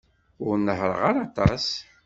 Ur nehhṛeɣ ara aṭas.